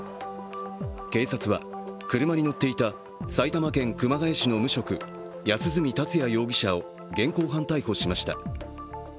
警察は車に乗っていた埼玉県熊谷市の無職・安栖達也容疑者を、現行犯逮捕しました。